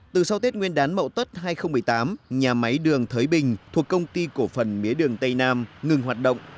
từ sau tết nguyên đán mậu tất hai nghìn một mươi tám nhà máy đường thới bình thuộc công ty cổ phần mía đường tây nam ngừng hoạt động